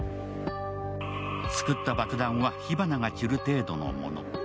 作った爆弾は火花が散る程度のもの。